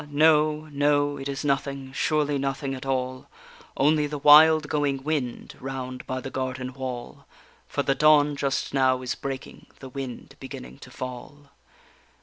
no, no, it is nothing, surely nothing at all, Only the wild going wind round by the garden wall, For the dawn just now is breaking, the wind beginning to fall.